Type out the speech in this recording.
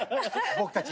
僕たち。